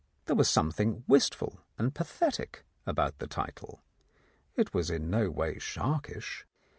There was something wistful and pathetic about the title : it was in no way sharkish.